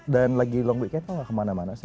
dan lagi long weekend kok gak kemana mana sih